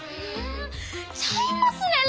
ちゃいますねん！